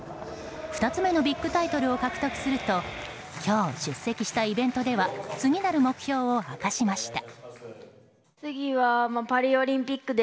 ２つ目のビッグタイトルを獲得すると今日、出席したイベントでは次なる目標を明かしました。